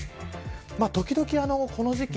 時々、この時期